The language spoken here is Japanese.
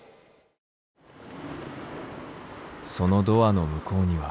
そのドアの向こうには。